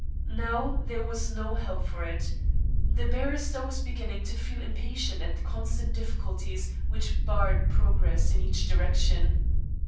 Now there was no help for it. The barrister was beginning to feel impatient at the constant difficulties which barred progress in each direction.